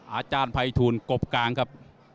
อาจารย์ภัยทูลกบกลางครับ